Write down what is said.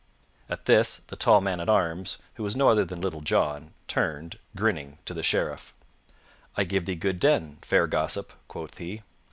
At this, the tall man at arms, who was no other than Little John, turned, grinning, to the Sheriff. "I give thee good den, fair gossip," quoth he.